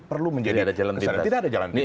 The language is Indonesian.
perlu menjadi kesalahan tidak ada jalan pintas